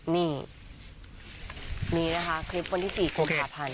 นี่นี่นะคะคลิปวันที่๔กุมภาพันธ์